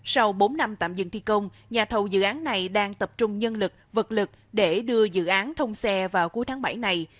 sau bốn năm tạm dừng thi công nhà thầu dự án này đang tập trung nhân lực vật lực để đưa dự án thông xe vào cuối tháng bảy này